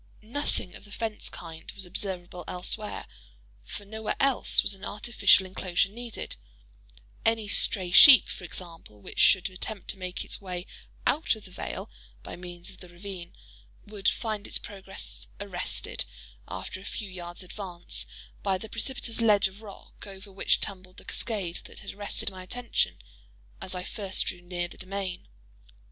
Nothing of the fence kind was observable elsewhere; for nowhere else was an artificial enclosure needed:—any stray sheep, for example, which should attempt to make its way out of the vale by means of the ravine, would find its progress arrested, after a few yards' advance, by the precipitous ledge of rock over which tumbled the cascade that had arrested my attention as I first drew near the domain.